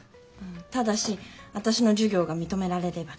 ただし私の授業が認められればだけど。